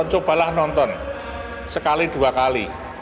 coba lah nonton sekali dua kali